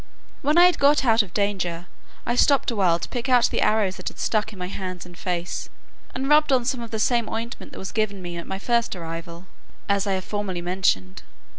When I had got out of danger, I stopped awhile to pick out the arrows that stuck in my hands and face; and rubbed on some of the same ointment that was given me at my first arrival, as I have formerly mentioned.